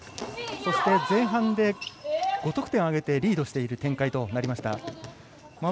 そして、前半で５得点を挙げてリードしている展開となりました。